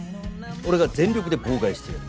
俺が全力で妨害してやる。